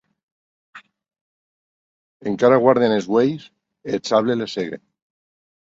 Encara guarden es uelhs, e eth sable les cègue.